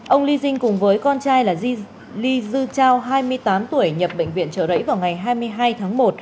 ông ly dinh cùng với con trai là ly dư trao hai mươi tám tuổi nhập bệnh viện trở lẫy vào ngày hai mươi hai tháng một